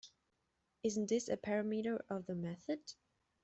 Isn’t this a parameter of the method?